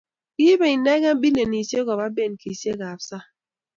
kiibei inegei bilionisiek koba benkisiekab sang